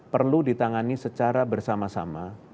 perlu ditangani secara bersama sama